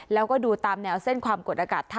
แล้วก็ดูตามแนวเส้นความกดอากาศไทย